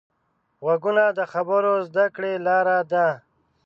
غوږونه د خبرو د زده کړې لاره ده